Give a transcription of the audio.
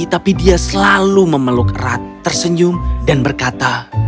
tapi dia selalu memeluk erat tersenyum dan berkata